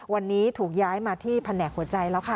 วันนี้ถูกย้ายมาที่แผนกหัวใจแล้วค่ะ